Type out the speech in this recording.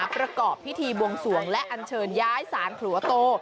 ประกอบพิธีบวงสวงและอันเชิญย้ายสารขัวโต